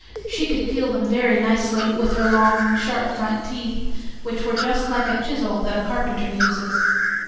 She could peel them very nicely with her long, sharp front teeth, which were just like a chisel that a carpenter uses.